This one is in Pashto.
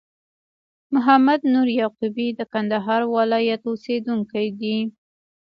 محمد نور یعقوبی د کندهار ولایت اوسېدونکی دي